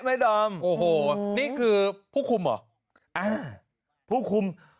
ดอมโอ้โหนี่คือผู้คุมเหรออ่าผู้คุม